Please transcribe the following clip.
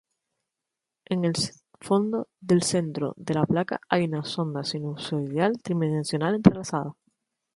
En el fondo del centro de la placa hay una onda sinusoidal tridimensional entrelazada.